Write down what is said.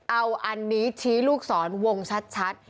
เอาอันนี้ชี้ลูกศรวงชัด